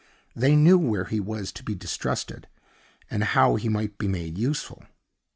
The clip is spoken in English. They knew where he was to be distrusted, and how he might be made useful.